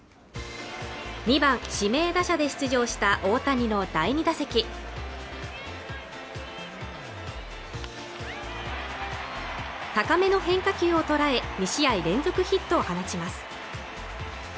２番・指名打者で出場した大谷の第２打席高めの変化球を捉え２試合連続ヒットを放ちます